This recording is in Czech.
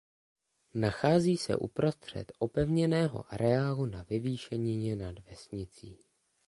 Nachází se uprostřed opevněného areálu na vyvýšenině nad vesnicí.